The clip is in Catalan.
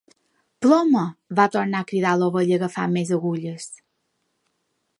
"Ploma!", va tornar a cridar l'Ovella agafant més agulles.